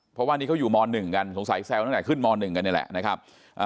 เพราะว่านี่เขาอยู่ม๑กันสงสัยแซวตั้งแต่ขึ้นม๑กันนี่แหละนะครับ